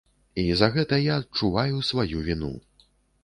І за гэта я адчуваю сваю віну.